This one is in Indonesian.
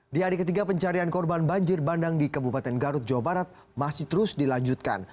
di hari ketiga pencarian korban banjir bandang di kabupaten garut jawa barat masih terus dilanjutkan